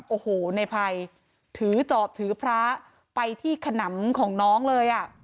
โอ้โหในภัยถือจอบถือพระไปที่ขนำของน้องเลยอ่ะ